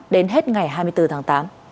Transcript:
đến hết ngày hai mươi bốn tháng tám